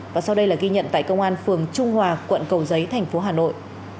và sau đây là ghi nhận tại công an phường trung hòa quận cầu giấy thành phố hà nội